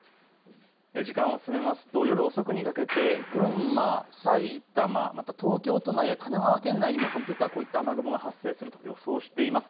時間を進めますと夜遅くにかけて群馬、埼玉、また東京都内や神奈川県内にもコンピューター、こういった雨雲が発生すると予想しています。